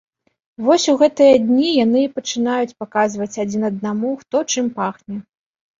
Вось у гэтыя дні яны і пачынаюць паказваць адзін аднаму, хто чым пахне.